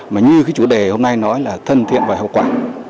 mà như cái chủ đề hôm nay nói là thân thiện và hậu quả